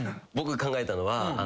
僕考えたのは。